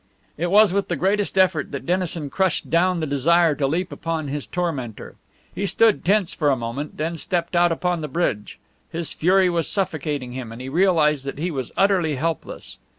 It was with the greatest effort that Dennison crushed down the desire to leap upon his tormentor. He stood tense for a moment, then stepped out upon the bridge. His fury was suffocating him, and he realized that he was utterly helpless.